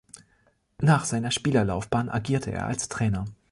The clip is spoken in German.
Nach seiner Spielerlaufbahn agierte er als Trainer.